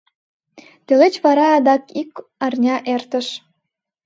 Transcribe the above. Тылеч вара адак ик арня эртыш.